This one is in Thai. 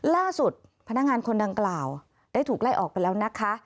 พนักงานคนดังกล่าวได้ถูกไล่ออกไปแล้วนะคะ